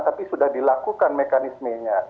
tapi sudah dilakukan mekanismenya